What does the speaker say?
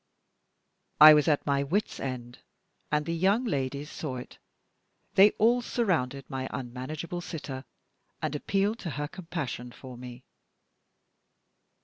I was at my wit's end, and the young ladies saw it. They all surrounded my unmanageable sitter, and appealed to her compassion for me.